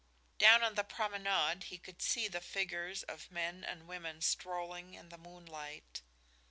Down on the promenade he could see the figures of men and women strolling in the moonlight.